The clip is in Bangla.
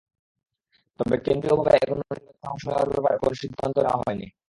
তবে কেন্দ্রীয়ভাবে এখনো নির্বাচনে অংশ নেওয়ার ব্যাপারে কোনো সিদ্ধান্ত নেওয়া হয়নি।